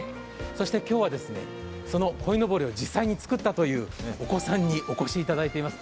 そして今日は、そのこいのぼりを実際に作ったというお子さんにお越しいただいています。